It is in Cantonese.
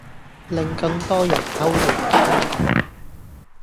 令更多人偷渡來香港